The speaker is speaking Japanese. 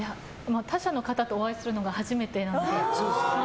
他社の方とお会いするのが初めてなんで。